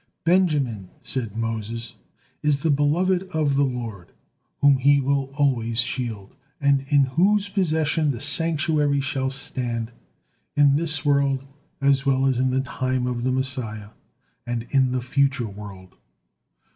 "Benjamin," said Moses, "is the beloved of the Lord, whom he will always shield, and in whose possession the sanctuary shall stand, in this world as well as in the time of the Messiah, and in the future world."